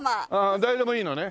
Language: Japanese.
誰でもいいのね？